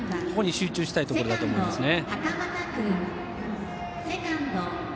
ここに集中したいところだと思います。